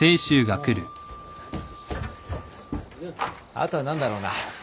あとは何だろうな。